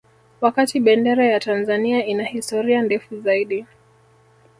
Wakati Bendera ya Tanzania ina historia ndefu zaidi